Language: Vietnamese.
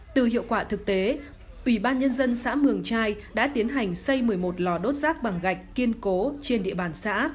từ hiệu quả thực tế ủy ban nhân dân xã mường trai đã tiến hành xây một mươi một lò đốt rác bằng gạch kiên cố trên địa bàn xã